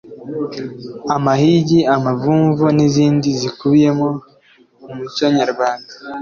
amahigi, amavumvu n’izindi zikubiyemo umuco nyarwanda.